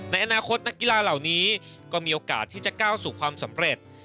ในอนาคตนักกีฬาเหล่านี้ก็มีโอกาสที่จะก้าวสู่ความสำเร็จ